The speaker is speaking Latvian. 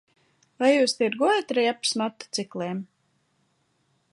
Vai jūs tirgojat riepas motocikliem?